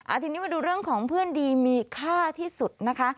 ทีนี้มาดูเรื่องของเพื่อนดีมีค่าที่สุดนะคะ